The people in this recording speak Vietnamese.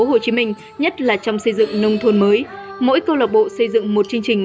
các thành phố hồ chí minh nhất là trong xây dựng nông thôn mới mỗi cơ lộc bộ xây dựng một chương trình